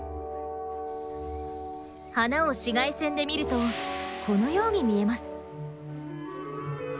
花を紫外線で見るとこのように見えます。